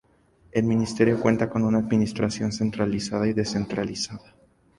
El Ministerio cuenta con una administración centralizada y descentralizada.